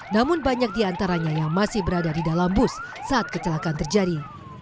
namun banyak diantaranya yang masih berada di dalam bus saat kecelakaan terjadi